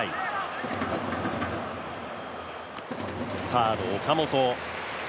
サード・岡本。